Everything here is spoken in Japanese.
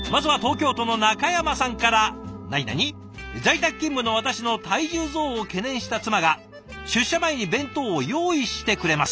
「在宅勤務の私の体重増を懸念した妻が出社前に弁当を用意してくれます。